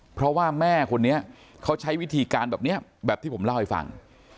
เพราะว่าแม่หรือคนนี้เค้าใช้วิธีการเงี่ยแบบนี้เนี่ยแปลกที่ผมเล่าให้ฟัง